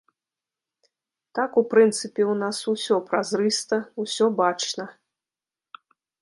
Так, у прынцыпе, у нас усё празрыста, усё бачна.